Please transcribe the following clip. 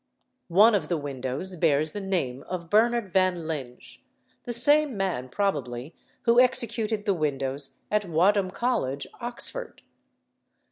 One of the windows bears the name of Bernard van Linge, the same man probably who executed the windows at Wadham College, Oxford.